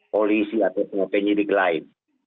polisi atau penyidik lain